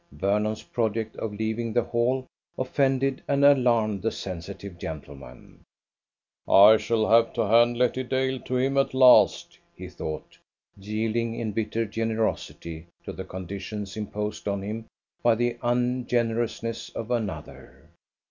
Vernon's project of leaving the Hall offended and alarmed the sensitive gentleman. "I shall have to hand Letty Dale to him at last!" he thought, yielding in bitter generosity to the conditions imposed on him by the ungenerousness of another.